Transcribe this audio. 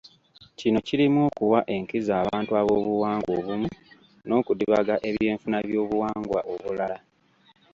Kino kirimu okuwa enkizo abantu ab'obuwangwa obumu n'okudibaga eby'enfuna by'obuwangwa obulala